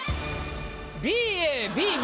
ＢＡＢＢ。